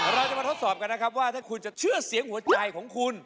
เราจะมาทดสอบกันนะครับว่าถ้าคุณจะเชื่อเสียงหัวใจของคุณ